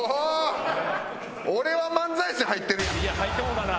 「俺は漫才師」入ってるやん。